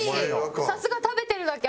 さすが食べてるだけある！